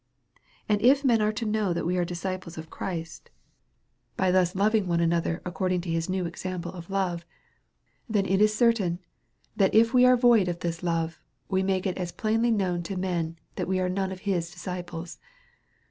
And if men are to know that we are disciples of Christ,, by thus loving one another according to his DEVOUT AND HOLY LIFE. 279 new example of love ; then it is certain^ tliat if we are void of this love, we make it as plainly known unto men, that we are none of his disciples.